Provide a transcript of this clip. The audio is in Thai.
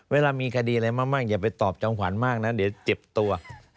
เวลามีคดีอะไรมากอย่าไปตอบจอมขวัญมากนะเดี๋ยวเจ็บตัว